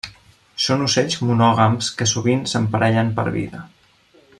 Són ocells monògams que sovint s'emparellen per vida.